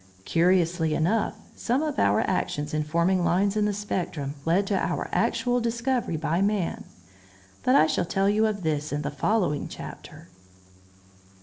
Curiously enough, some of our actions in forming lines in the spectrum led to our actual discovery by man; but I shall tell you of this in the following chapter.